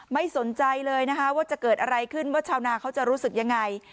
ไม่สนใจเลยนะคะว่าจะเกิดอะไรขึ้นว่าชาวนาเขาจะรู้สึกยังไง